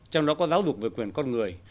trong đó có giáo dục về quyền con người